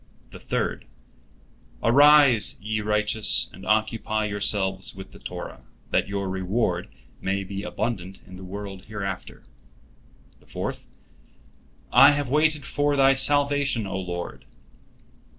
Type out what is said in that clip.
The third: "Arise, ye righteous, and occupy yourselves with the Torah, that your reward may be abundant in the world hereafter." The fourth: "I have waited for Thy salvation, O Lord!"